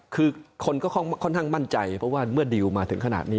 คือคนก็ค่อนข้างมั่นใจเพราะว่าเมื่อดิวมาถึงขนาดนี้